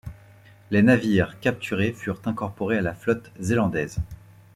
Les navires capturés furent incorporés à la flotte zélandaise.